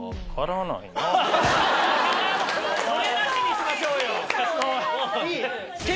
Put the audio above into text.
それなしにしましょうよ！